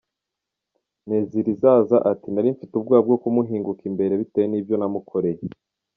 Ntezirizaza ati “ Nari mfite ubwoba bwo kumuhinguka imbere bitewe n’ibyo namukoreye.